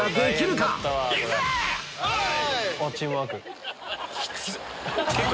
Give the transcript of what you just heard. おい！